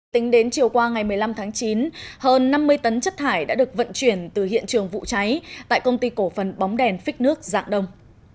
tính đến chiều qua ngày một mươi năm tháng chín hơn năm mươi tấn chất thải đã được vận chuyển từ hiện trường vụ cháy tại công ty cổ phần bóng đèn phích nước dạng đông